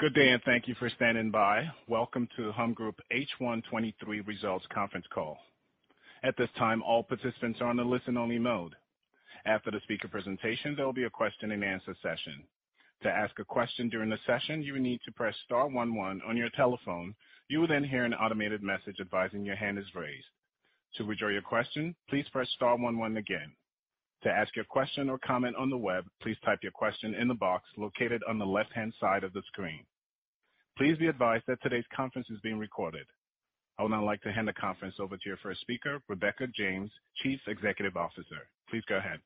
Good day, and thank you for standing by. Welcome to Humm Group H1 2023 Results Conference Call. At this time, all participants are on a listen-only mode. After the speaker presentation, there'll be a Q&A session. To ask a question during the session, you will need to press star one one on your telephone. You will hear an automated message advising your hand is raised. To withdraw your question, please press star one one again. To ask a question or comment on the web, please type your question in the box located on the left-hand side of the screen. Please be advised that today's conference is being recorded. I would now like to hand the conference over to your first speaker, Rebecca James, Chief Executive Officer. Please go ahead.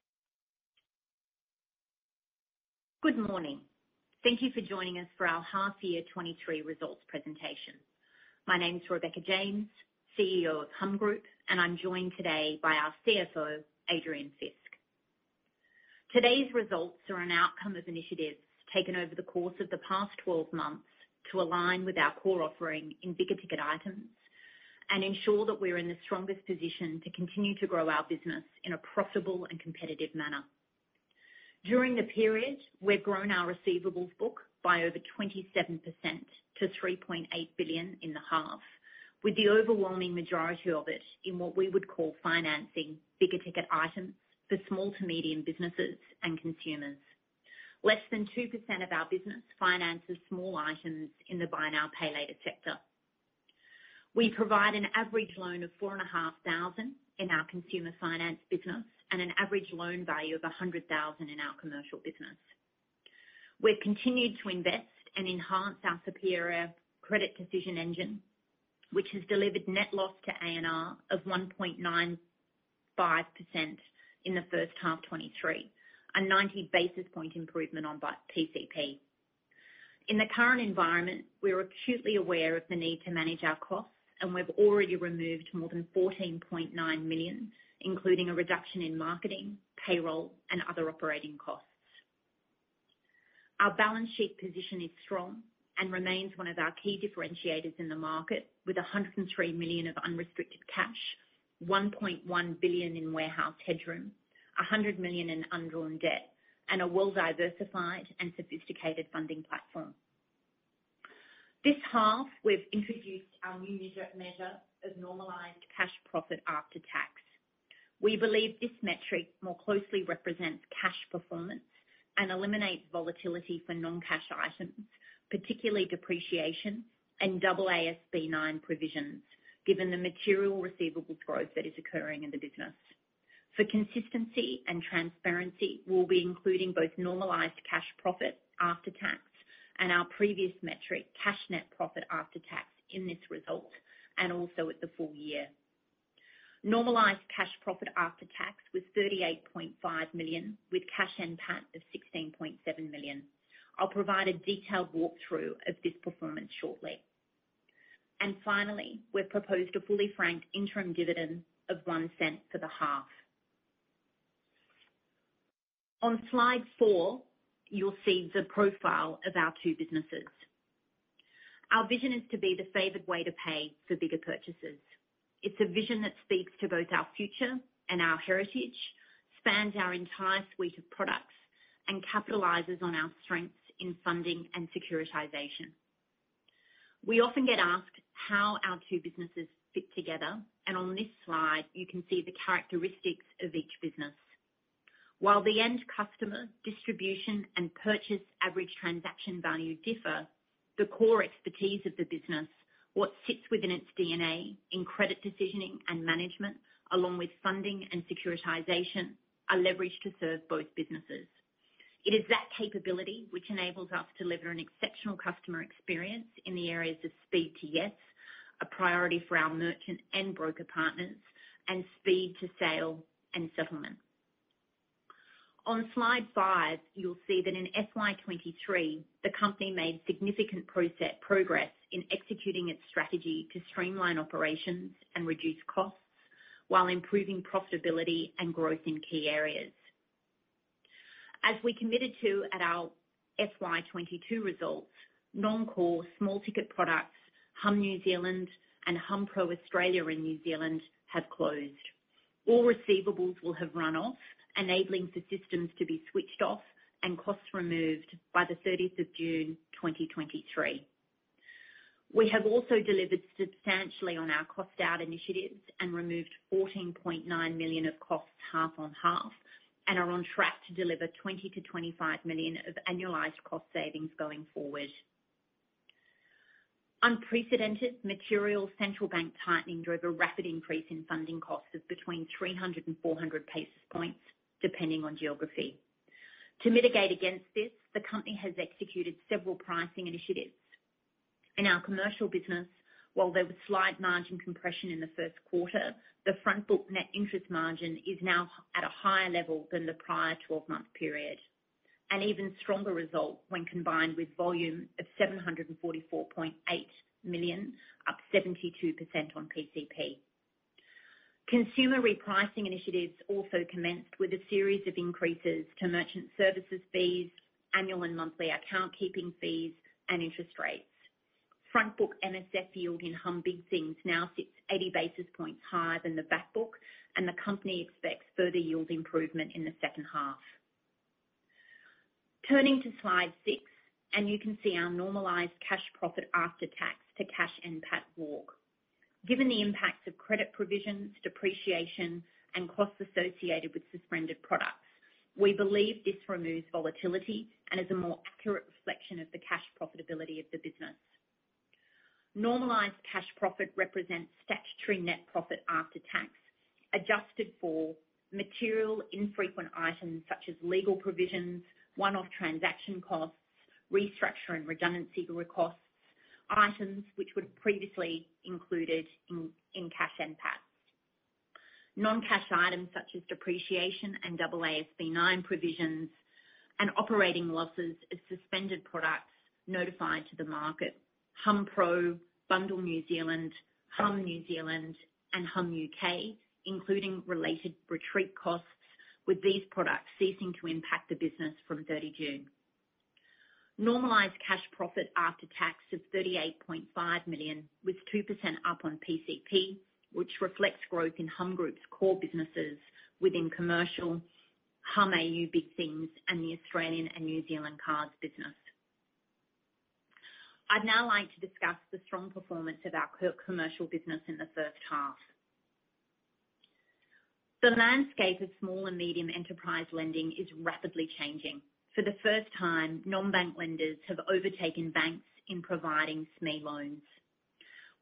Good morning. Thank you for joining us for our half year 2023 results presentation. My name is Rebecca James, CEO of Humm Group. I'm joined today by our CFO, Adrian Fisk. Today's results are an outcome of initiatives taken over the course of the past 12 months to align with our core offering in bigger ticket items and ensure that we're in the strongest position to continue to grow our business in a profitable and competitive manner. During the period, we've grown our receivables book by over 27% to $3.8 billion in the half, with the overwhelming majority of it in what we would call financing bigger ticket items for small to medium businesses and consumers. Less than 2% of our business finances small items in the buy now, pay later sector. We provide an average loan of 4,500 in our consumer finance business and an average loan value of 100,000 in our commercial business. We've continued to invest and enhance our superior credit decision engine, which has delivered net loss to ANR of 1.95% in the first half 2023, a 90 basis point improvement on by PCP. In the current environment, we're acutely aware of the need to manage our costs. We've already removed more than 14.9 million, including a reduction in marketing, payroll, and other operating costs. Our balance sheet position is strong and remains one of our key differentiators in the market with 103 million of unrestricted cash, 1.1 billion in warehouse headroom, 100 million in undrawn debt, and a well-diversified and sophisticated funding platform. This half, we've introduced our new measure of Normalised cash profit after tax. We believe this metric more closely represents cash performance and eliminates volatility for non-cash items, particularly depreciation and AASB 9 provisions, given the material receivable growth that is occurring in the business. For consistency and transparency, we'll be including both Normalised cash profit after tax and our previous metric, Cash Net Profit After Tax, in this result and also at the full year. Normalised cash profit after tax was 38.5 million, with Cash NPAT of 16.7 million. I'll provide a detailed walkthrough of this performance shortly. And finally, we've proposed a fully franked interim dividend of 0.01 for the half. On slide four, you'll see the profile of our two businesses. Our vision is to be the favored way to pay for bigger purchases. It's a vision that speaks to both our future and our heritage, spans our entire suite of products, and capitalizes on our strengths in funding and securitization. We often get asked how our two businesses fit together, and on this slide you can see the characteristics of each business. While the end customer distribution and purchase average transaction value differ, the core expertise of the business, what sits within its DNA in credit decisioning and management, along with funding and securitization, are leveraged to serve both businesses. It is that capability which enables us to deliver an exceptional customer experience in the areas of speed to, yes, a priority for our merchant and broker partners, and speed to sale and settlement. On slide five, you'll see that in FY 2023, the company made significant progress in executing its strategy to streamline operations and reduce costs while improving profitability and growth in key areas. As we committed to at our FY 2022 results, non-core small ticket products, Humm New Zealand and Hummpro Australia and New Zealand have closed. All receivables will have run off, enabling the systems to be switched off and costs removed by the 30th of June 2023. We have also delivered substantially on our cost-out initiatives and removed 14.9 million of costs half-on-half and are on track to deliver 20 million to 25 million of annualized cost savings going forward. Unprecedented material Central bank tightening drove a rapid increase in funding costs of between 300 and 400 basis points, depending on geography. To mitigate against this, the company has executed several pricing initiatives. In our commercial business, while there was slight margin compression in the Q1, the front book net interest margin is now at a higher level than the prior 12-month period, an even stronger result when combined with volume of 744.8 million, up 72% on PCP. Consumer repricing initiatives also commenced with a series of increases to merchant services fees, annual and monthly account keeping fees, and interest rates. Front book NSF yield in Humm Big things now sits 80 basis points higher than the back book, and the company expects further yield improvement in the second half. Turning to slide six, you can see our Normalised cash profit after tax to Cash NPAT walk. Given the impacts of credit provisions, depreciation and costs associated with suspended products, we believe this removes volatility and is a more accurate reflection of the cash profitability of the business. Normalized cash profit represents statutory net profit after tax, adjusted for material infrequent items such as legal provisions, one-off transaction costs, restructure and redundancy costs, items which were previously included in cash NPAT. Non-cash items such as depreciation and AASB9 provisions and operating losses of suspended products notified to the market, Humm-pro, Bundle New Zealand, Humm New Zealand and Humm U.K., including related retreat costs, with these products ceasing to impact the business from 30 June. Normalized cash profit after tax is 38.5 million, with 2% up on PCP, which reflects growth in Humm Group's core businesses within commercial, Humm AU Big things and the Australian and New Zealand cards business. I'd now like to discuss the strong performance of our co-commercial business in the first half. The landscape of small and medium enterprise lending is rapidly changing. For the first time, non-bank lenders have overtaken banks in providing SME loans.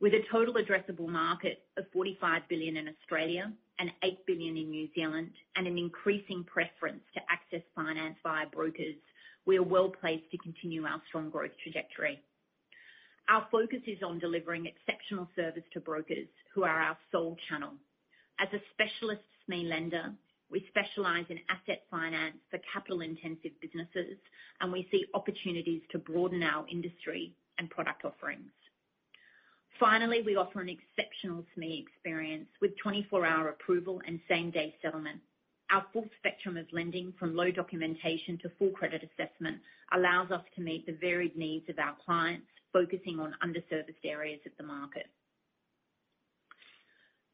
With a total addressable market of 45 billion in Australia and 8 billion in New Zealand and an increasing preference to access finance via brokers, we are well-placed to continue our strong growth trajectory. Our focus is on delivering exceptional service to brokers who are our sole channel. As a specialist SME lender, we specialize in asset finance for capital-intensive businesses, and we see opportunities to broaden our industry and product offerings. Finally, we offer an exceptional SME experience with 24-hour approval and same-day settlement. Our full spectrum of lending, from low documentation to full credit assessment, allows us to meet the varied needs of our clients, focusing on underserviced areas of the market.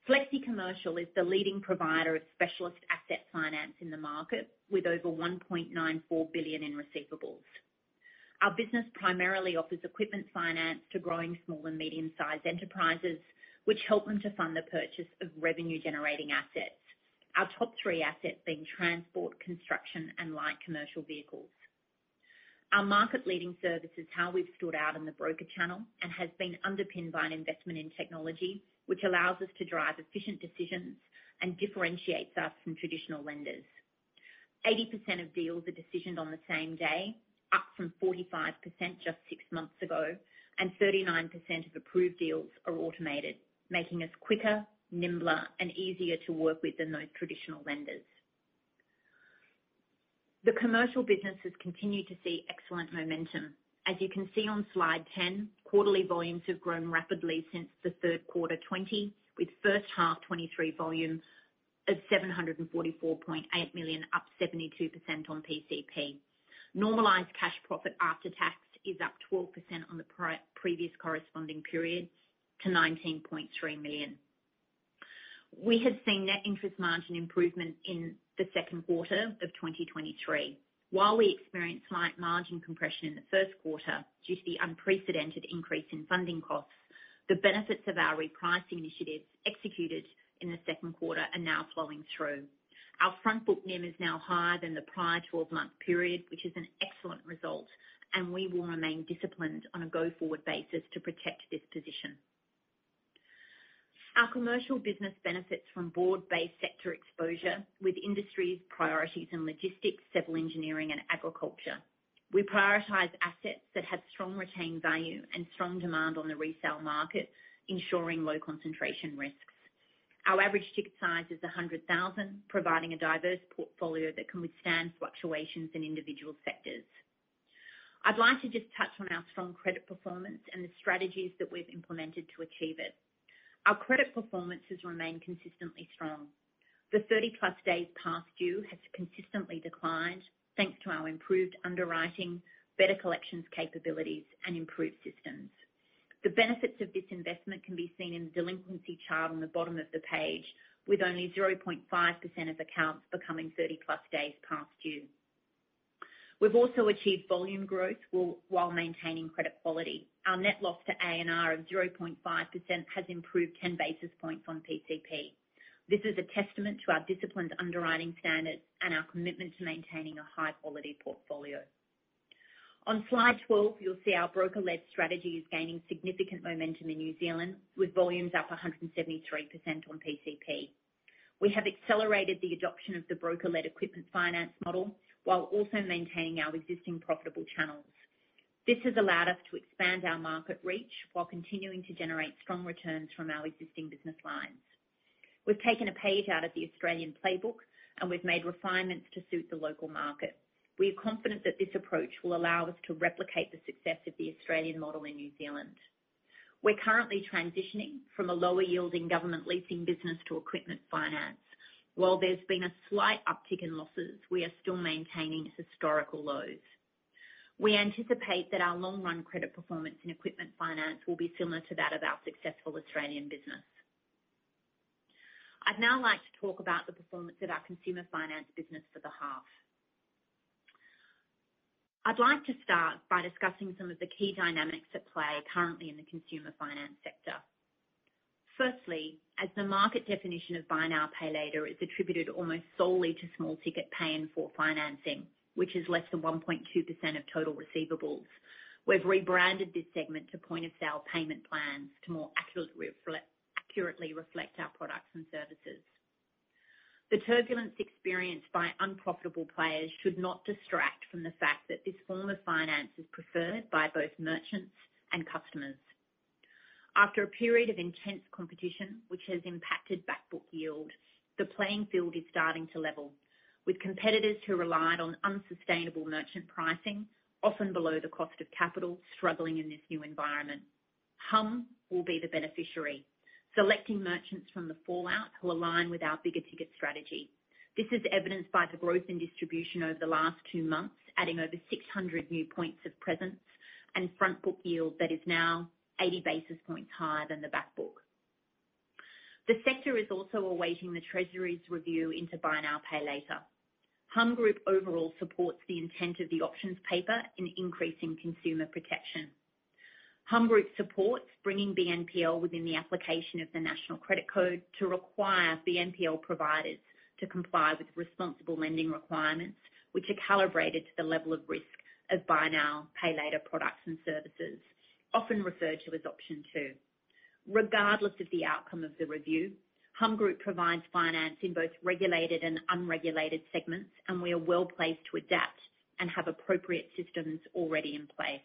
FlexiCommercial is the leading provider of specialist asset finance in the market, with over 1.94 billion in receivables. Our business primarily offers equipment finance to growing small and medium-sized enterprises, which help them to fund the purchase of revenue-generating assets. Our top three assets being transport, construction, and light commercial vehicles. Our market-leading service is how we've stood out in the broker channel and has been underpinned by an investment in technology, which allows us to drive efficient decisions and differentiates us from traditional lenders. 80% of deals are decisioned on the same day, up from 45% just six months ago, and 39% of approved deals are automated, making us quicker, nimbler, and easier to work with than those traditional lenders. The commercial businesses continue to see excellent momentum. As you can see on slide 10, quarterly volumes have grown rapidly since the Q3 2020, with first half 2023 volumes at $744.8 million, up 72% on PCP. Normalised cash profit after tax is up 12% on the previous corresponding period to $19.3 million. We have seen net interest margin improvement in the Q2 of 2023. While we experienced slight margin compression in the Q1 due to the unprecedented increase in funding costs, the benefits of our repricing initiatives executed in the Q2 are now flowing through. Our front book NIM is now higher than the prior 12-month period, which is an excellent result. We will remain disciplined on a go-forward basis to protect this position. Our commercial business benefits from broad-based sector exposure with industries, priorities in logistics, civil engineering, and agriculture. We prioritize assets that have strong retained value and strong demand on the resale market, ensuring low concentration risks. Our average ticket size is 100,000, providing a diverse portfolio that can withstand fluctuations in individual sectors. I'd like to just touch on our strong credit performance and the strategies that we've implemented to achieve it. Our credit performance has remained consistently strong. The 30-plus days past due has consistently declined thanks to our improved underwriting, better collections capabilities, and improved systems. The benefits of this investment can be seen in the delinquency chart on the bottom of the page, with only 0.5% of accounts becoming 30-plus days past due. We've also achieved volume growth while maintaining credit quality. Our net loss to ANR of 0.5% has improved 10 basis points on PCP. This is a testament to our disciplined underwriting standards and our commitment to maintaining a high-quality portfolio. On slide 12, you'll see our broker-led strategy is gaining significant momentum in New Zealand, with volumes up 173% on PCP. We have accelerated the adoption of the broker-led equipment finance model while also maintaining our existing profitable channels. This has allowed us to expand our market reach while continuing to generate strong returns from our existing business lines. We've taken a page out of the Australian playbook. We've made refinements to suit the local market. We are confident that this approach will allow us to replicate the success of the Australian model in New Zealand. We're currently transitioning from a lower yielding government leasing business to equipment finance. While there's been a slight uptick in losses, we are still maintaining historical lows. We anticipate that our long run credit performance in equipment finance will be similar to that of our successful Australian business. I'd now like to talk about the performance of our consumer finance business for the half. I'd like to start by discussing some of the key dynamics at play currently in the consumer finance sector. Firstly, as the market definition of buy now, pay later is attributed almost solely to small ticket paying for financing, which is less than 1.2% of total receivables, we've rebranded this segment to Point of Sale Payment Plans to more accurately reflect our products and services. The turbulence experienced by unprofitable players should not distract from the fact that this form of finance is preferred by both merchants and customers. After a period of intense competition, which has impacted back book yield, the playing field is starting to level with competitors who relied on unsustainable merchant pricing, often below the cost of capital, struggling in this new environment. Humm will be the beneficiary selecting merchants from the fallout who align with our bigger ticket strategy. This is evidenced by the growth in distribution over the last two months, adding over 600 new points of presence and front book yield that is now 80 basis points higher than the back book. The sector is also awaiting The Treasury's review into buy now, pay later. Humm Group overall supports the intent of the options paper in increasing consumer protection. Humm Group supports bringing BNPL within the application of the National Credit Code to require BNPL providers to comply with responsible lending requirements, which are calibrated to the level of risk of buy now, pay later products and services, often referred to as Option two. Regardless of the outcome of the review, Humm Group provides finance in both regulated and unregulated segments, and we are well-placed to adapt and have appropriate systems already in place.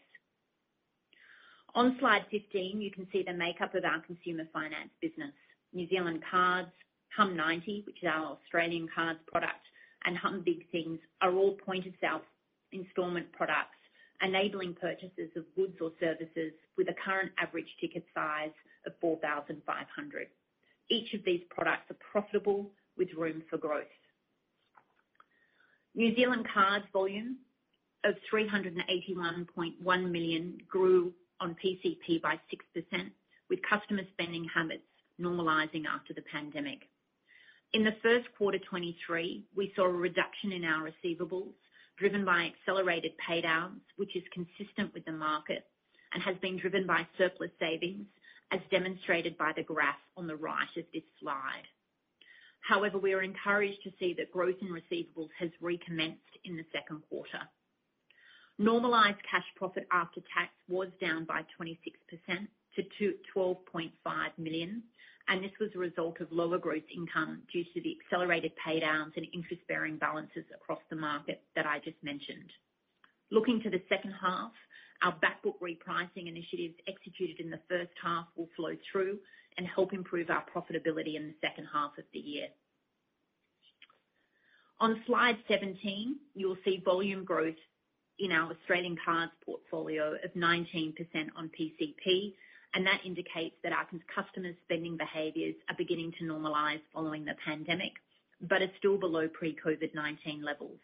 On slide 15, you can see the makeup of our consumer finance business. New Zealand Cards, Humm90, which is our Australian cards product, and Humm Big things are all point-of-sale installment products, enabling purchases of goods or services with a current average ticket size of 4,500. Each of these products are profitable with room for growth. New Zealand Cards volume of 381.1 million grew on PCP by 6%, with customer spending habits normalizing after the pandemic. In the Q1 2023, we saw a reduction in our receivables, driven by accelerated pay downs, which is consistent with the market and has been driven by surplus savings, as demonstrated by the graph on the right of this slide. We are encouraged to see that growth in receivables has recommenced in the Q2. Normalized cash profit after tax was down by 26% to 12.5 million. This was a result of lower gross income due to the accelerated pay downs and interest-bearing balances across the market that I just mentioned. Looking to the second half, our back book repricing initiatives executed in the first half will flow through and help improve our profitability in the second half of the year. On slide 17, you will see volume growth in our Australian Cards portfolio of 19% on PCP. That indicates that our customer's spending behaviors are beginning to normalize following the pandemic, but are still below pre-COVID-19 levels.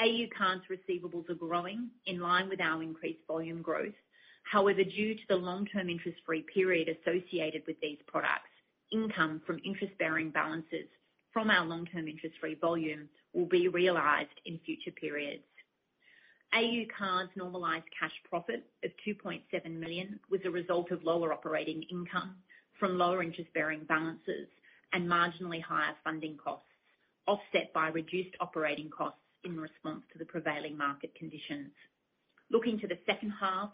AU Cards receivables are growing in line with our increased volume growth. However, due to the long-term interest-free period associated with these products, income from interest-bearing balances from our long-term interest-free volumes will be realized in future periods. AU Cards normalized cash profit of $2.7 million was a result of lower operating income from lower interest-bearing balances and marginally higher funding costs, offset by reduced operating costs in response to the prevailing market conditions. Looking to the second half,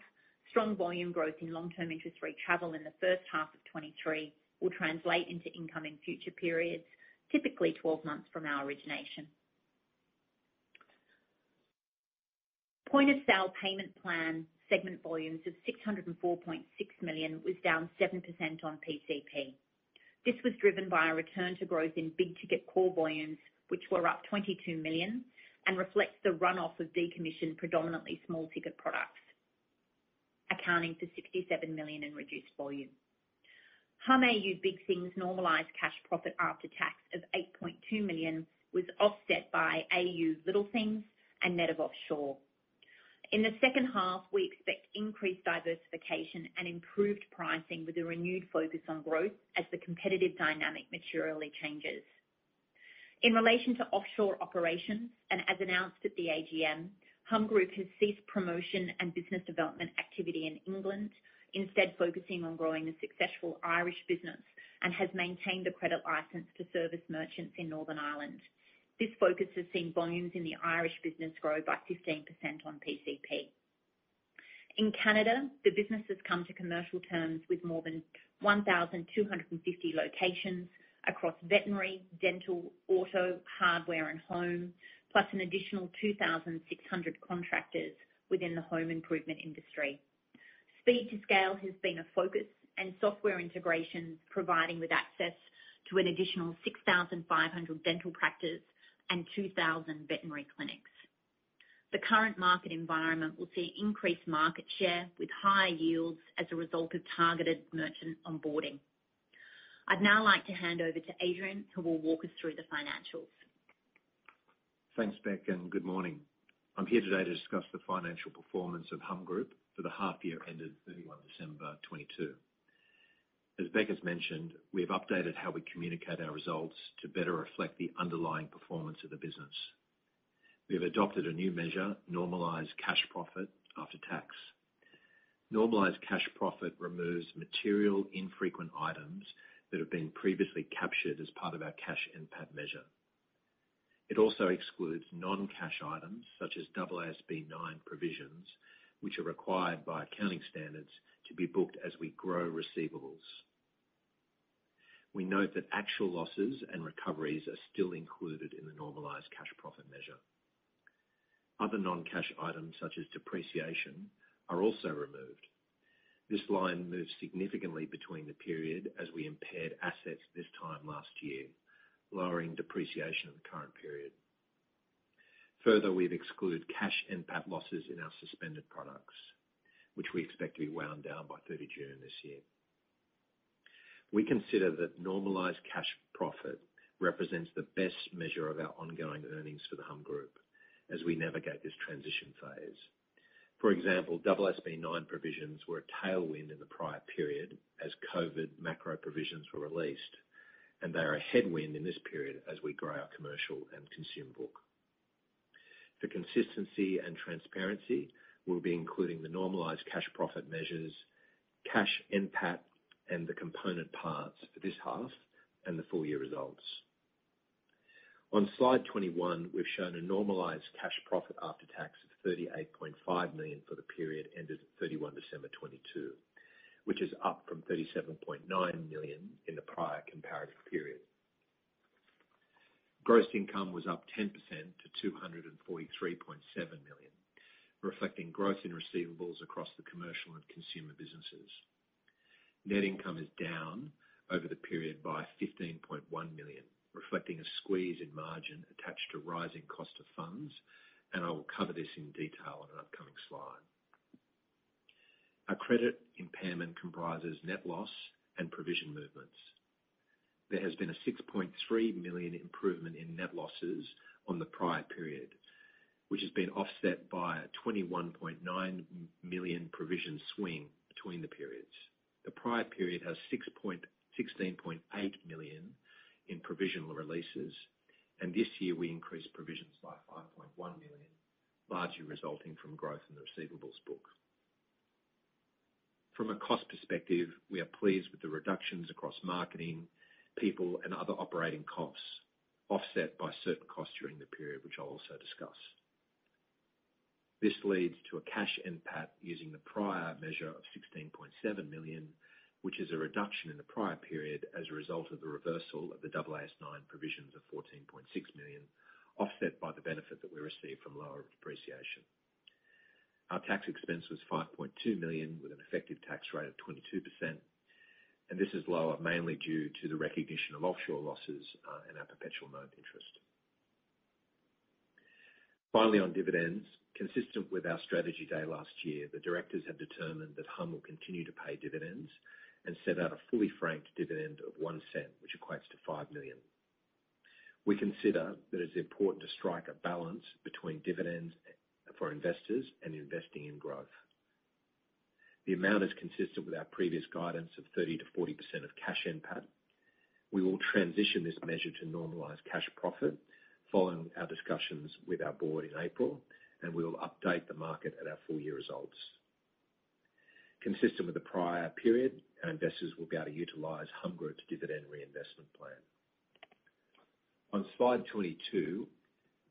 strong volume growth in long-term interest-free travel in the first half of 2023 will translate into income in future periods, typically 12 months from our origination. Point of Sale Payment Plans segment volumes of $604.6 million was down 7% on PCP. This was driven by a return to growth in big ticket core volumes, which were up $22 million and reflects the run-off of decommissioned predominantly small ticket products, accounting for $67 million in reduced volume. Humm AU Big things normalized cash profit after tax of $8.2 million was offset by AU Little things and NET-A-PORTER Offshore. In the second half, we expect increased diversification and improved pricing with a renewed focus on growth as the competitive dynamic materially changes. In relation to offshore operations and as announced at the AGM, Humm Group has ceased promotion and business development activity in England, instead focusing on growing the successful Irish business and has maintained a credit license to service merchants in Northern Ireland. This focus has seen volumes in the Irish business grow by 15% on PCP. In Canada, the business has come to commercial terms with more than 1,250 locations across Veterinary, Dental, Auto, Hardware, and Home, plus an additional 2,600 contractors within the home improvement industry. Speed to scale has been a focus and software integration providing with access to an additional 6,500 dental practices and 2,000 veterinary clinics. The current market environment will see increased market share with higher yields as a result of targeted merchant onboarding. I'd now like to hand over to Adrian, who will walk us through the financials. Thanks, Bec. Good morning. I'm here today to discuss the financial performance of Humm Group for the half year ended December 31, 2022. As Bec has mentioned, we have updated how we communicate our results to better reflect the underlying performance of the business. We have adopted a new measure, Normalised cash profit after tax. Normalised cash profit removes material infrequent items that have been previously captured as part of our Cash NPAT measure. It also excludes non-cash items such as AASB 9 provisions, which are required by accounting standards to be booked as we grow receivables. We note that actual losses and recoveries are still included in the Normalised cash profit measure. Other non-cash items, such as depreciation, are also removed. This line moves significantly between the period as we impaired assets this time last year, lowering depreciation in the current period. Further, we've excluded Cash NPAT losses in our suspended products, which we expect to be wound down by June 30 this year. We consider that Normalized Cash Profit represents the best measure of our ongoing earnings for the Humm Group as we navigate this transition phase. For example, AASB 9 provisions were a tailwind in the prior period as COVID macro provisions were released, and they are a headwind in this period as we grow our commercial and consumer book. For consistency and transparency, we'll be including the Normalized Cash Profit measures, Cash NPAT, and the component parts for this half and the full year results. On Slide 21, we've shown a Normalized Cash Profit after Tax of 38.5 million for the period ended December 31, 2022, which is up from 37.9 million in the prior comparative period. Gross income was up 10% to $243.7 million, reflecting growth in receivables across the commercial and consumer businesses. Net income is down over the period by $15.1 million, reflecting a squeeze in margin attached to rising cost of funds. I will cover this in detail on an upcoming slide. Our credit impairment comprises net loss and provision movements. There has been a $6.3 million improvement in net losses on the prior period, which has been offset by a $21.9 million provision swing between the periods. The prior period has $16.8 million in provisional releases. This year we increased provisions by $5.1 million, largely resulting from growth in the receivables book. From a cost perspective, we are pleased with the reductions across marketing, people and other operating costs offset by certain costs during the period, which I'll also discuss. This leads to a Cash NPAT using the prior measure of 16.7 million, which is a reduction in the prior period as a result of the reversal of the AASB 9 provisions of 14.6 million, offset by the benefit that we received from lower depreciation. Our tax expense was 5.2 million with an effective tax rate of 22%. This is lower mainly due to the recognition of offshore losses in our perpetual note interest. Finally, on dividends, consistent with our strategy day last year, the directors have determined that Humm will continue to pay dividends and set out a fully franked dividend of 0.01, which equates to 5 million. We consider that it's important to strike a balance between dividends for investors and investing in growth. The amount is consistent with our previous guidance of 30% to 40% of cash NPAT. We will transition this measure to normalized cash profit following our discussions with our board in April, and we will update the market at our full year results. Consistent with the prior period, our investors will be able to utilize Humm Group's dividend reinvestment plan. On Slide 22,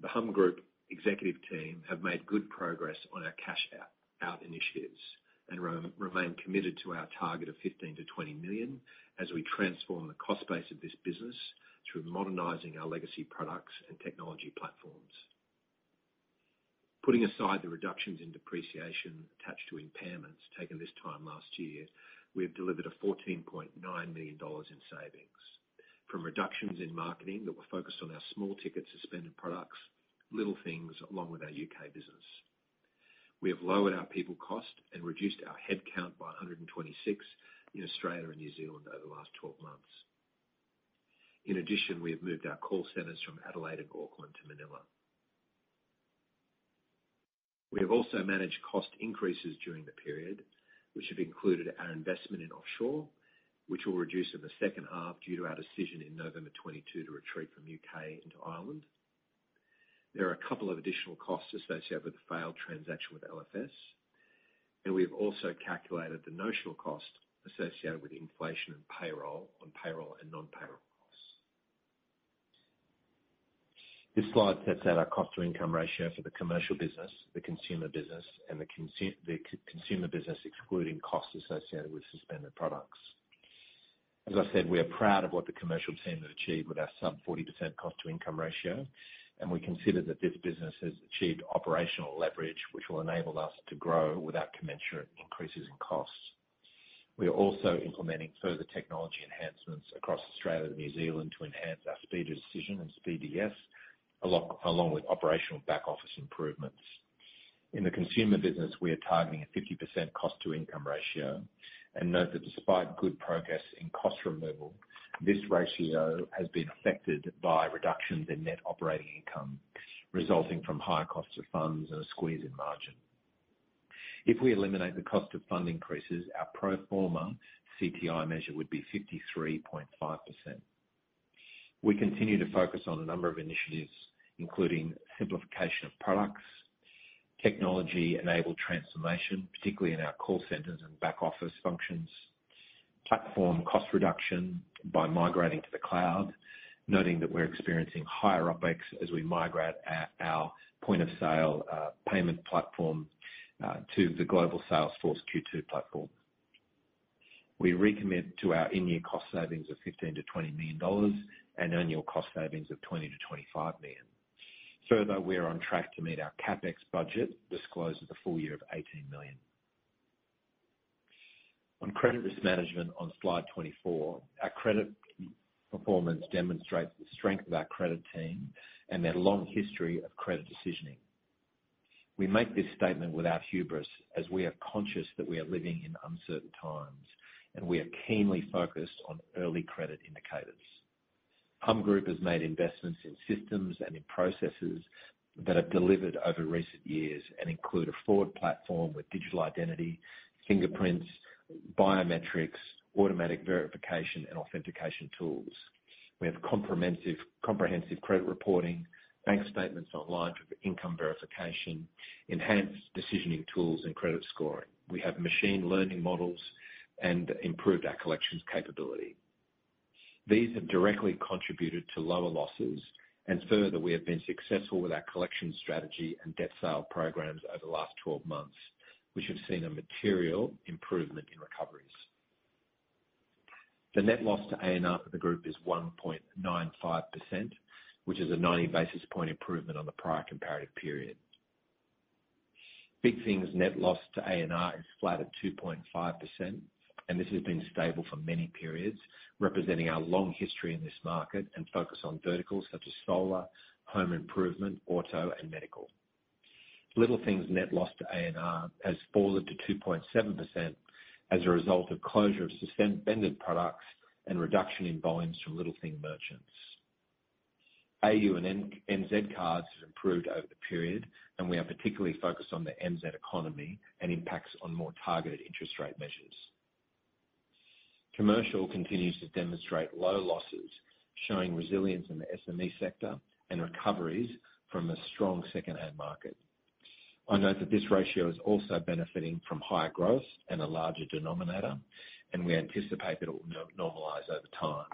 the Humm Group executive team have made good progress on our cash out initiatives and remain committed to our target of $15 million to $20 million as we transform the cost base of this business through modernizing our legacy products and technology platforms. Putting aside the reductions in depreciation attached to impairments taken this time last year, we have delivered $14.9 million in savings from reductions in marketing that were focused on our small ticket suspended products, Little Things, along with our UK business. We have lowered our people cost and reduced our headcount by 126 in Australia and New Zealand over the last 12 months. We have moved our call centers from Adelaide and Auckland to Manila. We have also managed cost increases during the period, which have included our investment in offshore, which will reduce in the second half due to our decision in November 2022 to retreat from U.K. into Ireland. There are two additional costs associated with the failed transaction with LFS. We have also calculated the notional cost associated with inflation and payroll on payroll and non-payroll costs. This slide sets out our cost to income ratio for the commercial business, the consumer business, and the consumer business, excluding costs associated with suspended products. As I said, we are proud of what the commercial team have achieved with our sub 40% cost to income ratio. We consider that this business has achieved operational leverage, which will enable us to grow without commensurate increases in costs. We are also implementing further technology enhancements across Australia and New Zealand to enhance our speed of decision and speed of yes, along with operational back-office improvements. In the consumer business, we are targeting a 50% cost-to-income ratio and note that despite good progress in cost removal, this ratio has been affected by reductions in net operating income resulting from higher costs of funds and a squeeze in margin. If we eliminate the cost of fund increases, our pro forma CTI measure would be 53.5%. We continue to focus on a number of initiatives, including simplification of products, technology-enabled transformation, particularly in our call centers and back-office functions, platform cost reduction by migrating to the cloud, noting that we're experiencing higher OpEx as we migrate our point-of-sale payment platform to the global Salesforce Q2 platform. We recommit to our in-year cost savings of 15 million to 20 million dollars and annual cost savings of 20 million to 25 million. We are on track to meet our CapEx budget disclosed at the full year of 18 million. On credit risk management on slide 24, our credit performance demonstrates the strength of our credit team and their long history of credit decisioning. We make this statement without hubris, as we are conscious that we are living in uncertain times, and we are keenly focused on early credit indicators. Humm Group has made investments in systems and in processes that have delivered over recent years and include a forward platform with digital identity, fingerprints, biometrics, automatic verification and authentication tools. We have comprehensive credit reporting, bank statements online for income verification, enhanced decisioning tools, and credit scoring. We have machine learning models and improved our collections capability. These have directly contributed to lower losses. Further, we have been successful with our collection strategy and debt sale programs over the last 12 months, which have seen a material improvement in recoveries. The net loss to A&R for the group is 1.95%, which is a 90 basis point improvement on the prior comparative period. Big Things' net loss to A&R is flat at 2.5%. This has been stable for many periods, representing our long history in this market and focus on verticals such as Solar, Home improvement, Auto, and Medical. Little things' net loss to A&R has fallen to 2.7% as a result of closure of suspended products and reduction in volumes from Little things merchants. AU and NZ Cards has improved over the period, and we are particularly focused on the NZ economy and impacts on more targeted interest rate measures. Commercial continues to demonstrate low losses, showing resilience in the SME sector and recoveries from a strong secondhand market. I note that this ratio is also benefiting from higher growth and a larger denominator, and we anticipate that it will normalize over time.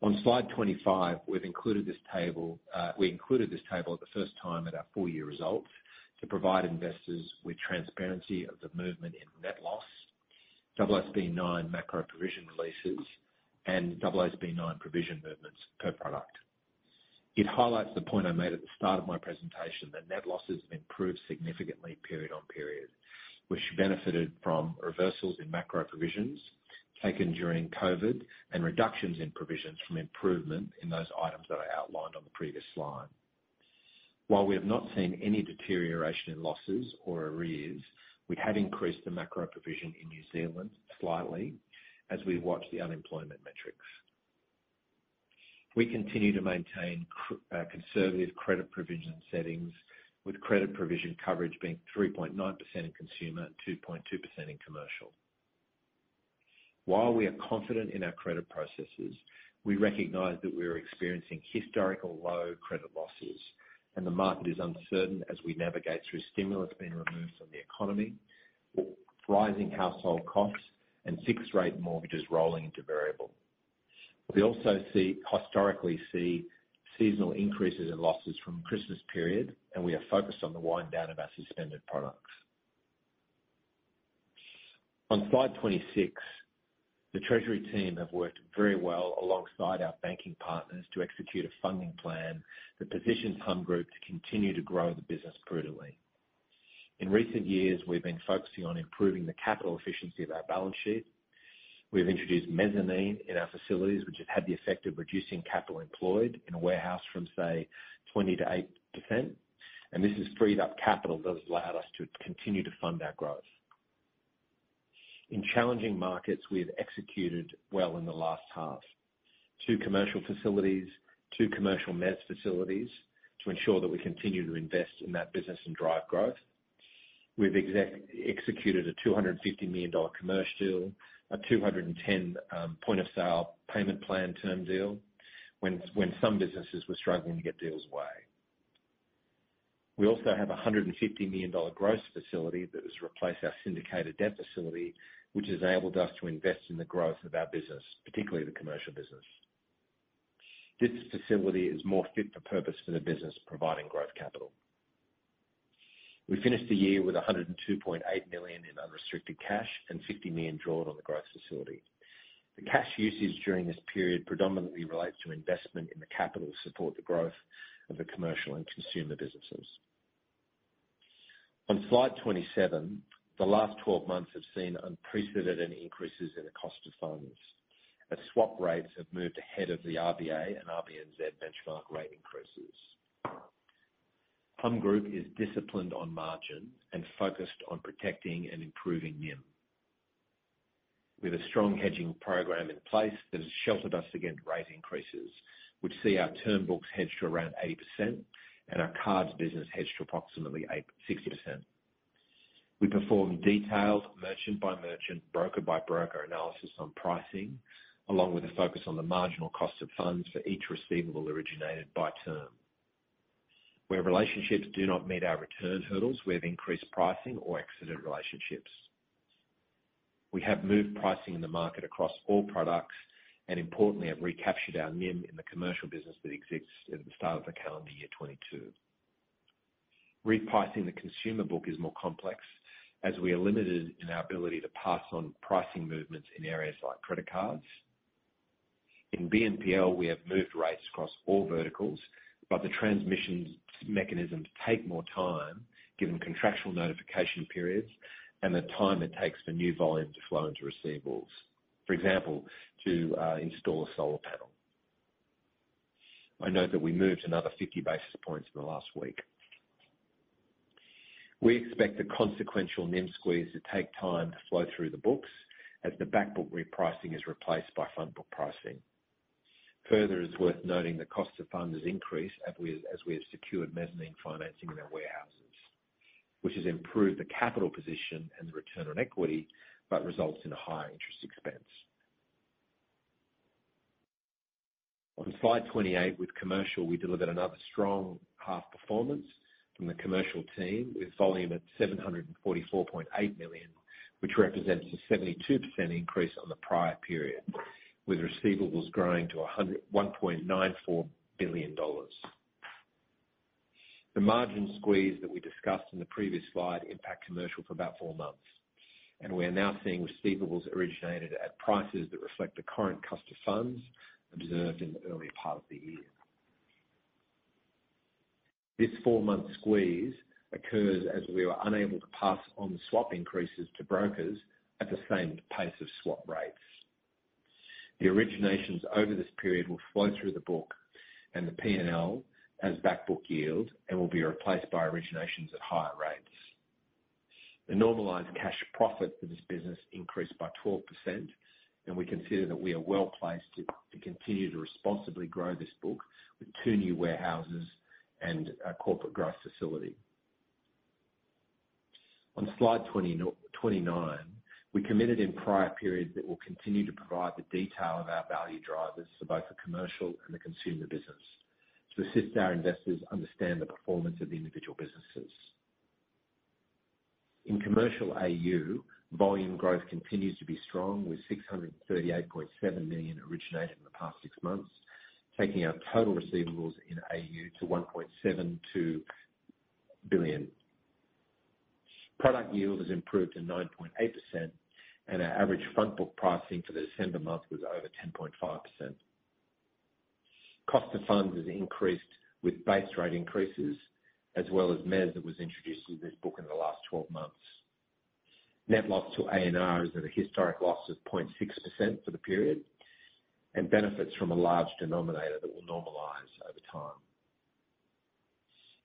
On slide 25, we've included this table, we included this table at the first time at our full-year results to provide investors with transparency of the movement in net loss, AASB 9 macro provision releases and AASB 9 provision movements per product. It highlights the point I made at the start of my presentation that net losses have improved significantly period on period, which benefited from reversals in macro provisions taken during COVID and reductions in provisions from improvement in those items that I outlined on the previous slide. While we have not seen any deterioration in losses or arrears, we have increased the macro provision in New Zealand slightly as we watch the unemployment metrics. We continue to maintain conservative credit provision settings, with credit provision coverage being 3.9% in consumer and 2.2% in commercial. While we are confident in our credit processes, we recognize that we are experiencing historical low credit losses, and the market is uncertain as we navigate through stimulus being removed from the economy, rising household costs and fixed rate mortgages rolling into variable. We also historically see seasonal increases in losses from Christmas period. We are focused on the wind down of our suspended products. On slide 26, the treasury team have worked very well alongside our banking partners to execute a funding plan that positions Humm Group to continue to grow the business prudently. In recent years, we've been focusing on improving the capital efficiency of our balance sheet. We've introduced mezzanine in our facilities, which have had the effect of reducing capital employed in a warehouse from, say, 20% to 8%. This has freed up capital that has allowed us to continue to fund our growth. In challenging markets, we have executed well in the last half. Two commercial facilities, two commercial mezz facilities to ensure that we continue to invest in that business and drive growth. We've executed a 250 million dollar commercial, a 210, Point of Sale Payment Plan term deal when some businesses were struggling to get deals away. We also have a 150 million dollar growth facility that has replaced our syndicated debt facility, which has enabled us to invest in the growth of our business, particularly the commercial business. This facility is more fit for purpose for the business, providing growth capital. We finished the year with 102.8 million in unrestricted cash and 50 million drawn on the growth facility. The cash usage during this period predominantly relates to investment in the capital to support the growth of the commercial and consumer businesses. On slide 27, the last 12 months have seen unprecedented increases in the cost of funds, as swap rates have moved ahead of the RBA and RBNZ benchmark rate increases. Humm Group is disciplined on margin and focused on protecting and improving NIM. With a strong hedging program in place that has sheltered us against rate increases, we'd see our term books hedged to around 80% and our cards business hedged to approximately 60%. We perform detailed merchant by merchant, broker by broker analysis on pricing, along with a focus on the marginal cost of funds for each receivable originated by term. Where relationships do not meet our return hurdles, we have increased pricing or exited relationships. We have moved pricing in the market across all products. Importantly, have recaptured our NIM in the commercial business that exists at the start of the calendar year 2022. Repricing the consumer book is more complex as we are limited in our ability to pass on pricing movements in areas like credit cards. In BNPL, we have moved rates across all verticals. The transmissions mechanisms take more time, given contractual notification periods and the time it takes for new volume to flow into receivables. For example, to install a solar panel. I know that we moved another 50 basis points in the last week. We expect the consequential NIM squeeze to take time to flow through the books as the back book repricing is replaced by front book pricing. Further, it's worth noting the cost of funds has increased as we have secured mezzanine financing in our warehouses, which has improved the capital position and the return on equity, but results in a higher interest expense. On slide 28, with commercial, we delivered another strong half performance from the commercial team with volume at 744.8 million, which represents a 72% increase on the prior period, with receivables growing to 1.94 billion dollars. The margin squeeze that we discussed in the previous slide impact commercial for about four months, and we are now seeing receivables originated at prices that reflect the current cost of funds observed in the earlier part of the year. This four-month squeeze occurs as we were unable to pass on swap increases to brokers at the same pace of swap rates. The originations over this period will flow through the book and the P&L as back book yield and will be replaced by originations at higher rates. The normalized cash profit for this business increased by 12%, we consider that we are well-placed to continue to responsibly grow this book with two new warehouses and a corporate growth facility. On slide 29, we committed in prior periods that we'll continue to provide the detail of our value drivers to both the commercial and the consumer business to assist our investors understand the performance of the individual businesses. In commercial AU, volume growth continues to be strong with 638.7 million originated in the past six months, taking our total receivables in AU to 1.72 billion. Product yield has improved to 9.8%, and our average front book pricing for the December month was over 10.5%. Cost of funds has increased with base rate increases, as well as MEZ that was introduced to this book in the last 12 months. Net loss to A&R is at a historic loss of 0.6% for the period and benefits from a large denominator that will normalize over time.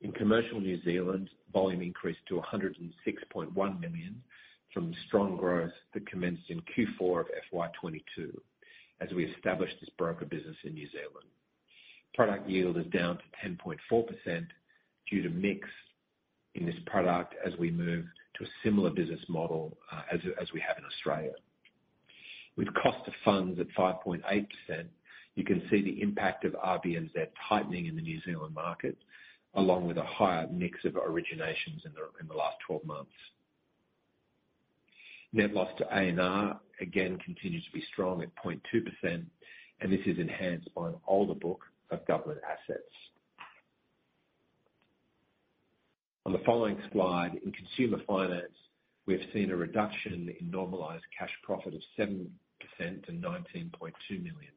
In commercial New Zealand, volume increased to 106.1 million from the strong growth that commenced in Q4 of FY 2022, as we established this broker business in New Zealand. Product yield is down to 10.4% due to mix in this product as we move to a similar business model as we have in Australia. With cost of funds at 5.8%, you can see the impact of RBNZ tightening in the New Zealand market, along with a higher mix of originations in the last 12 months. Net loss to A&R again continues to be strong at 0.2%. This is enhanced by an older book of government assets. On the following slide, in consumer finance, we have seen a reduction in normalized cash profit of 7% to 19.2 million,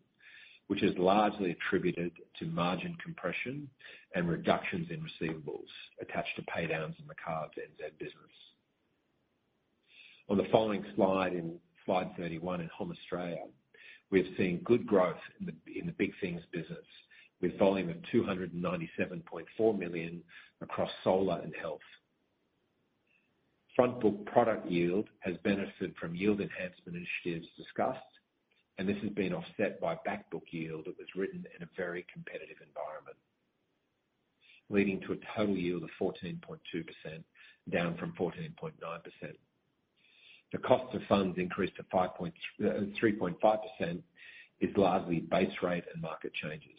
which is largely attributed to margin compression and reductions in receivables attached to pay downs in the Cards NZ business. On the following slide, in slide 31 in Home Australia, we've seen good growth in the Big Things business with volume of 297.4 million across solar and health. Front book product yield has benefited from yield enhancement initiatives discussed, and this has been offset by back book yield that was written in a very competitive environment, leading to a total yield of 14.2%, down from 14.9%. The cost of funds increased to 3.5% is largely base rate and market changes.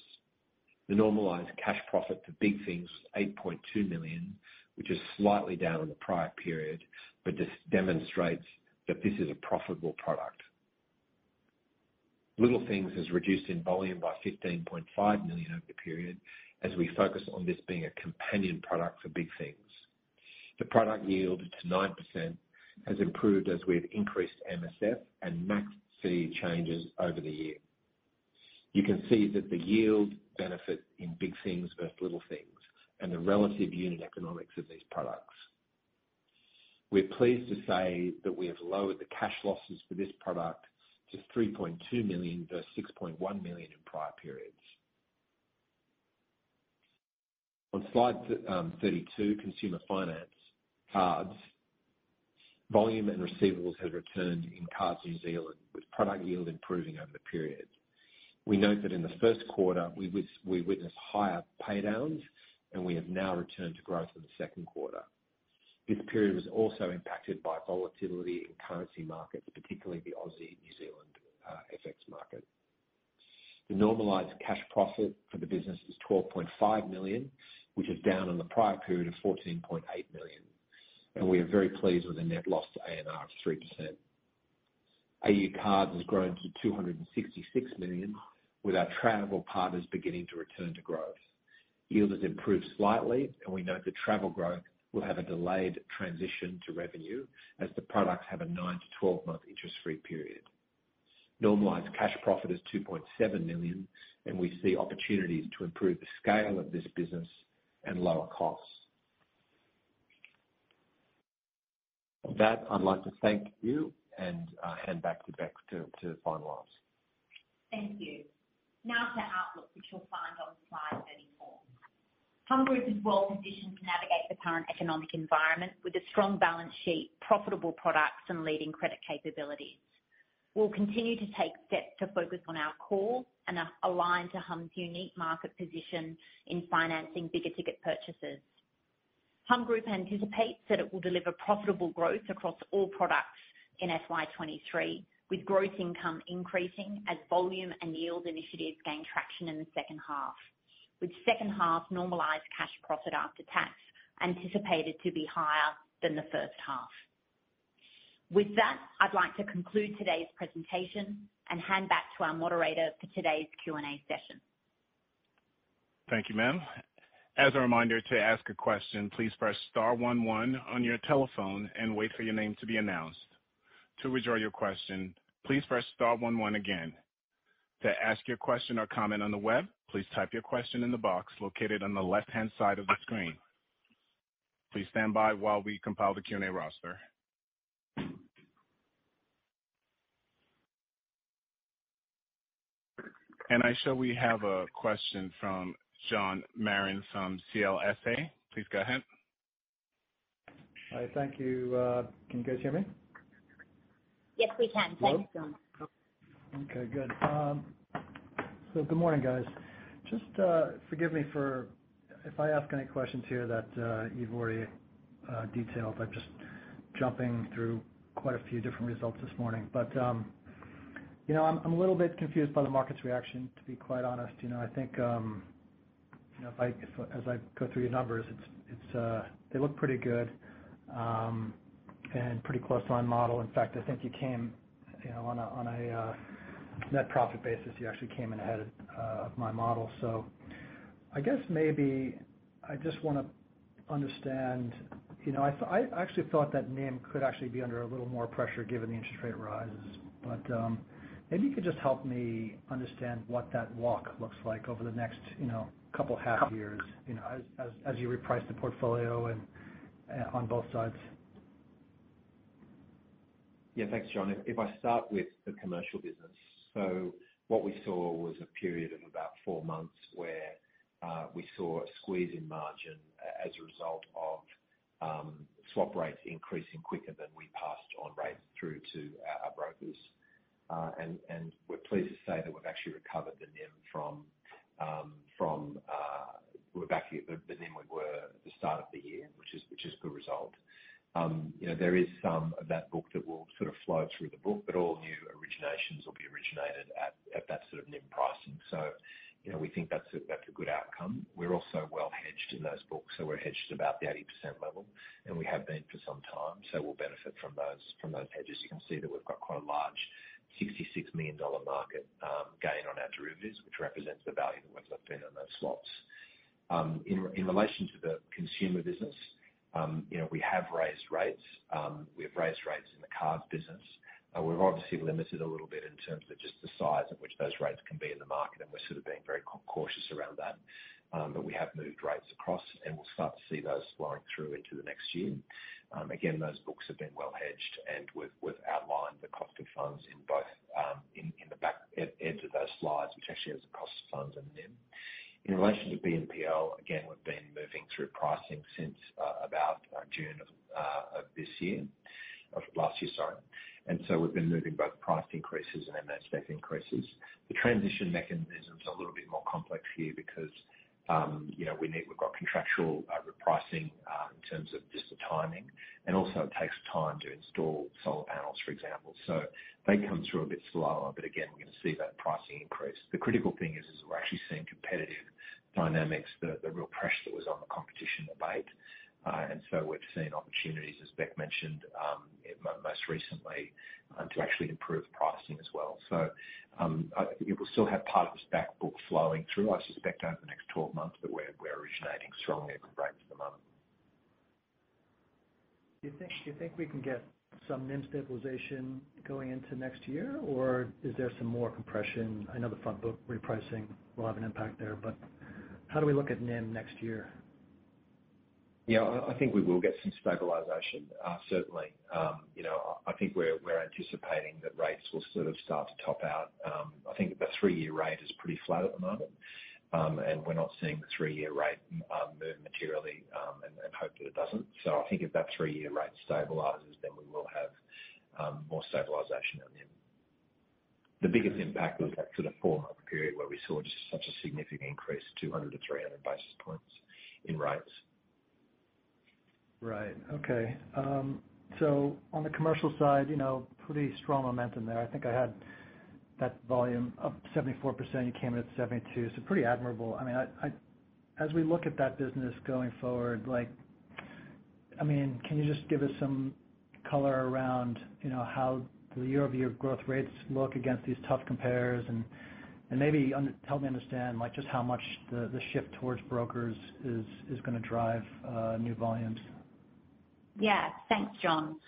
The Normalised cash profit for Big Things was 8.2 million, which is slightly down on the prior period, but this demonstrates that this is a profitable product. Little Things has reduced in volume by 15.5 million over the period, as we focus on this being a companion product for Big Things. The product yield to 9% has improved as we've increased MSF and max fee changes over the year. You can see that the yield benefit in Big Things versus Little things and the relative unit economics of these products. We're pleased to say that we have lowered the cash losses for this product to 3.2 million versus 6.1 million in prior periods. On slide 32, consumer finance cards. Volume and receivables have returned in Cards New Zealand, with product yield improving over the period. We note that in the Q1, we witnessed higher pay downs, and we have now returned to growth in the Q2. This period was also impacted by volatility in currency markets, particularly the Aussie New Zealand FX market. The normalized cash profit for the business is 12.5 million, which is down on the prior period of 14.8 million. We are very pleased with the net loss to ANR of 3%. AU Cards has grown to 266 million, with our travel partners beginning to return to growth. Yield has improved slightly. We note that travel growth will have a delayed transition to revenue as the products have a 9 to 12 month interest-free period. Normalized cash profit is 2.7 million. We see opportunities to improve the scale of this business and lower costs. With that, I'd like to thank you and hand back to Bec to finalize. Thank you. Now to outlook, which you'll find on slide 34. Humm Group is well positioned to navigate the current economic environment with a strong balance sheet, profitable products and leading credit capabilities. We'll continue to take steps to focus on our core and align to Humm's unique market position in financing bigger ticket purchases. Humm Group anticipates that it will deliver profitable growth across all products in FY 2023, with gross income increasing as volume and yield initiatives gain traction in the second half, with second half Normalized cash profit after tax anticipated to be higher than the first half. I'd like to conclude today's presentation and hand back to our moderator for today's Q&A session. Thank you, ma'am. As a reminder to ask a question, please press star one one on your telephone and wait for your name to be announced. To withdraw your question, please press star one one again. To ask your question or comment on the web, please type your question in the box located on the left-hand side of the screen. Please stand by while we compile the Q&A roster. I show we have a question from John Marr from CLSA. Please go ahead. Hi. Thank you. Can you guys hear me? Yes, we can. Hello. Thank you, John. Okay, good. Good morning, guys. Just forgive me for if I ask any questions here that you've already detailed. I'm just jumping through quite a few different results this morning. You know, I'm a little bit confused by the market's reaction, to be quite honest. You know, I think, you know, as I go through your numbers, it's they look pretty good and pretty close to our model. In fact, I think you came on a net profit basis, you actually came in ahead of my model. I guess maybe I just wanna understand. You know, I actually thought that NIM could actually be under a little more pressure given the interest rate rises. Maybe you could just help me understand what that walk looks like over the next, you know, couple half years, you know, as you reprice the portfolio and on both sides. Yeah. Thanks, John. If I start with the commercial business. What we saw was a period of about four months where we saw a squeeze in margin as a result of swap rates increasing quicker than we passed on rates through to our brokers. And we're pleased to say that we've actually recovered the NIM from, we're back to the NIM we were at the start of the year, which is a good result. You know, there is some of that book that will sort of flow through the book, but all new originations will be originated at that sort of NIM pricing. You know, we think that's a good outcome. We're also well hedged in those books, we're hedged about the 80% level, we have been for some time, we'll benefit from those hedges. You can see that we've got quite a large $66 million market gain on our derivatives, which represents the value that we've locked in on those swaps. In relation to the consumer business, you know, we have raised rates. We've raised rates in the Cards business. We're obviously limited a little bit in terms of just the size at which those rates can be in the market, we're sort of being very cautious around that. We have moved rates across, we'll start to see those flowing through into the next year. Again, those books have been well hedged and we've outlined the cost of funds in both in the back e-edge of those slides, which actually has the cost of funds and NIM. In relation to BNPL, again, we've been moving through pricing since about June of last year, sorry. We've been moving both price increases and MSF increases. The transition mechanism's a little bit more complex here because, you know, we've got contractual repricing in terms of just the timing, and also it takes time to install solar panels, for example. They come through a bit slower. Again, we're gonna see that pricing increase. The critical thing is, we're actually seeing competitive dynamics. The real pressure that was on the competition abated. We've seen opportunities, as Bec mentioned, most recently, to actually improve pricing as well. We'll still have part of this back book flowing through, I suspect, over the next 12 months, but we're originating strongly at the rates at the moment. Do you think we can get some NIM stabilization going into next year, or is there some more compression? I know the front book repricing will have an impact there, but how do we look at NIM next year? Yeah, I think we will get some stabilization, certainly. You know, I think we're anticipating that rates will sort of start to top out. I think the three-year rate is pretty flat at the moment. We're not seeing the three-year rate move materially and hope that it doesn't. I think if that three-year rate stabilizes, then we will have more stabilization on NIM. The biggest impact was that sort of four-month period where we saw just such a significant increase, 200 to 300 basis points in rates. Right. Okay. On the commercial side, you know, pretty strong momentum there. I think I had that volume up 74%. You came in at 72, so pretty admirable. I mean, as we look at that business going forward, like, I mean, can you just give us some color around, you know, how the year-over-year growth rates look against these tough compares? Maybe help me understand, like, just how much the shift towards brokers is gonna drive new volumes. Yeah. Thanks, John.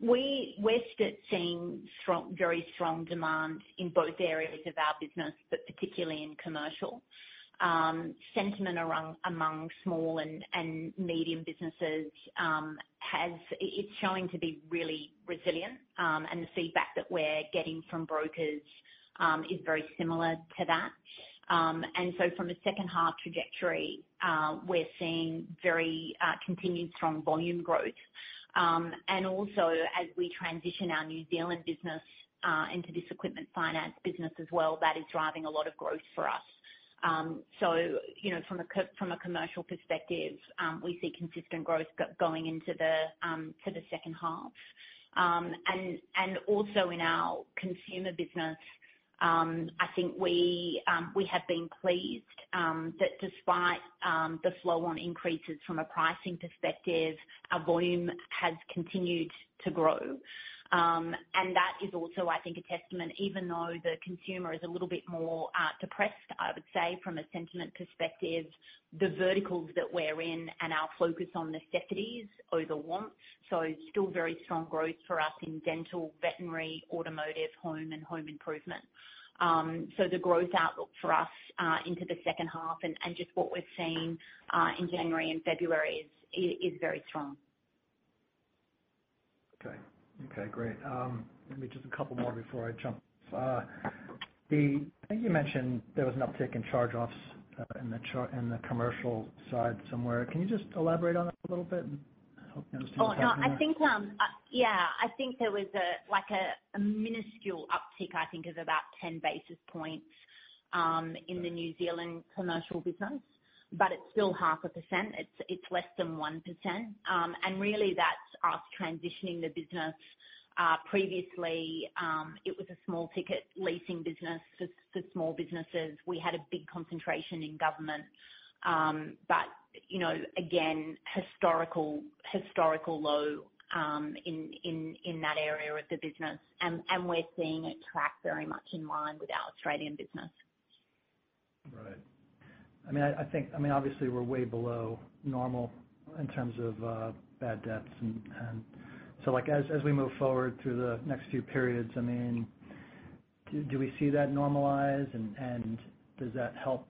We're still seeing very strong demand in both areas of our business, but particularly in commercial. Sentiment among small and medium businesses, has, it's showing to be really resilient. The feedback that we're getting from brokers, is very similar to that. From a second half trajectory, we're seeing very continued strong volume growth. Also as we transition our New Zealand business into this equipment finance business as well, that is driving a lot of growth for us. You know, from a commercial perspective, we see consistent growth going into the second half. Also in our consumer business, I think we have been pleased that despite the flow on increases from a pricing perspective, our volume has continued to grow. That is also I think a testament, even though the consumer is a little bit more depressed, I would say, from a sentiment perspective, the verticals that we're in and our focus on necessities over wants, so still very strong growth for us in dental, veterinary, automotive, home, and home improvement. The growth outlook for us into the second half and just what we're seeing in January and February is very strong. Okay. Okay, great. Let me just a couple more before I jump. I think you mentioned there was an uptick in charge-offs, in the commercial side somewhere. Can you just elaborate on it a little bit? Help me understand what's happening there. Oh, no, I think, yeah. I think there was a, like, a minuscule uptick, I think of about 10 basis points Okay in the New Zealand commercial business. It's still 0.5%. It's less than 1%. Really that's us transitioning the business. Previously, it was a small ticket leasing business for small businesses. We had a big concentration in government. You know, again, historical low in that area of the business. We're seeing it track very much in line with our Australian business. Right. I mean, I think, I mean, obviously we're way below normal in terms of bad debts and... Like as we move forward through the next few periods, I mean, do we see that normalize? Does that help,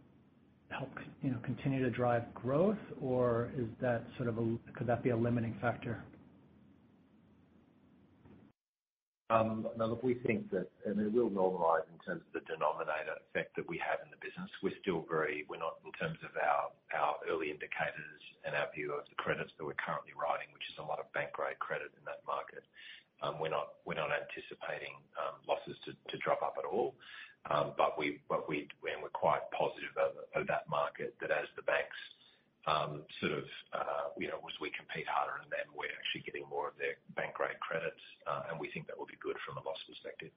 you know, continue to drive growth? Is that sort of a, could that be a limiting factor? No, look, we think that, I mean, it will normalize in terms of the denominator effect that we have in the business. We're still very, we're not in terms of our early indicators and our view of the credits that we're currently writing, which is a lot of bank rate credit in that market. We're not anticipating losses to drop up at all. We, and we're quite positive of that market. As the banks, sort of, you know, as we compete harder and then we're actually getting more of their bank rate credits, and we think that will be good from a loss perspective.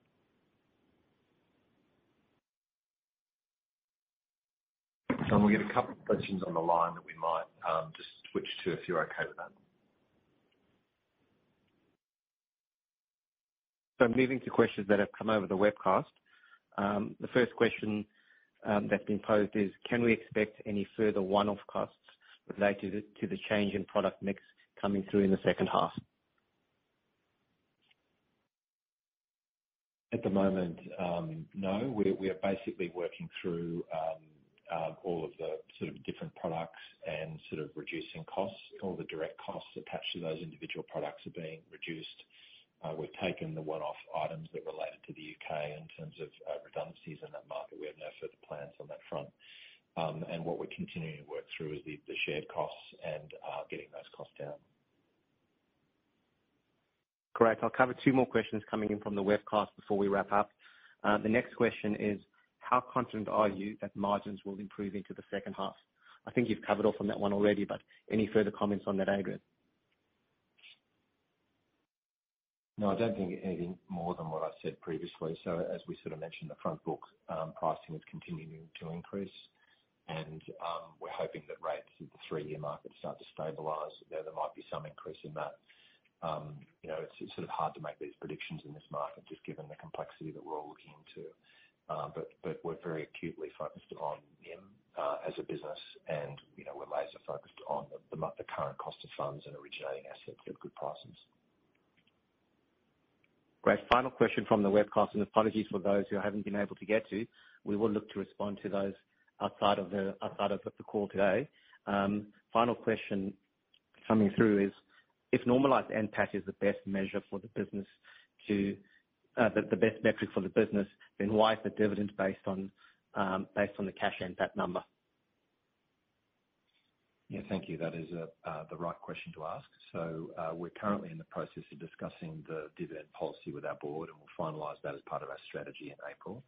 John, we got a couple questions on the line that we might just switch to if you're okay with that. Moving to questions that have come over the webcast. The first question that's been posed is, can we expect any further one-off costs related to the change in product mix coming through in the second half? At the moment, no. We are basically working through all of the sort of different products and sort of reducing costs. All the direct costs attached to those individual products are being reduced. We've taken the one-off items that related to the U.K. in terms of redundancies in that market. We have no further plans on that front. What we're continuing to work through is the shared costs and getting those costs down. Great. I'll cover two more questions coming in from the webcast before we wrap up. The next question is, how confident are you that margins will improve into the second half? I think you've covered off on that one already, but any further comments on that, Adrian? No, I don't think anything more than what I said previously. As we sort of mentioned, the front book, pricing is continuing to increase and, we're hoping that rates in the three-year market start to stabilize. You know, there might be some increase in that. You know, it's sort of hard to make these predictions in this market, just given the complexity that we're all looking into. But we're very acutely focused on NIM, as a business and, you know, we're laser-focused on the current cost of funds and originating assets at good prices. Great. Final question from the webcast, apologies for those who I haven't been able to get to. We will look to respond to those outside of the call today. Final question coming through is, if normalized NPAT is the best measure for the business to, the best metric for the business, then why is the dividend based on, based on the Cash NPAT number? Thank you. That is the right question to ask. We're currently in the process of discussing the dividend policy with our board, and we'll finalize that as part of our strategy in April.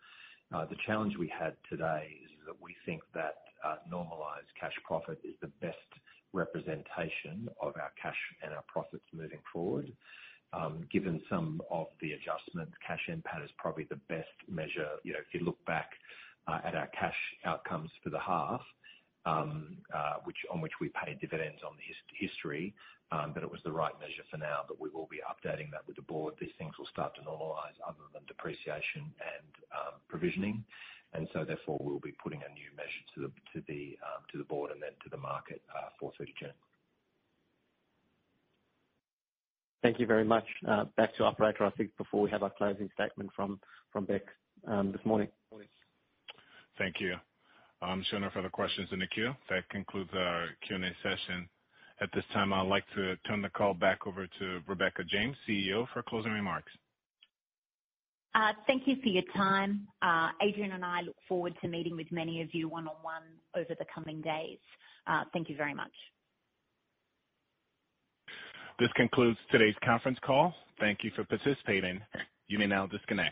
The challenge we had today is that we think that Normalised cash profit is the best representation of our cash and our profits moving forward. Given some of the adjustments, Cash NPAT is probably the best measure. You know, if you look back at our cash outcomes for the half, on which we paid dividends on the history, that it was the right measure for now. We will be updating that with the board. These things will start to normalize other than depreciation and provisioning. Therefore, we'll be putting a new measure to the board and then to the market for June 30th. Thank you very much. Back to operator, I think before we have our closing statement from Bec, this morning, please. Thank you. I'm showing no further questions in the queue. That concludes our Q&A session. At this time, I'd like to turn the call back over to Rebecca James, CEO, for closing remarks. Thank you for your time. Adrian and I look forward to meeting with many of you one-on-one over the coming days. Thank you very much. This concludes today's conference call. Thank you for participating. You may now disconnect.